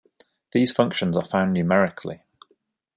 These functions are found numerically.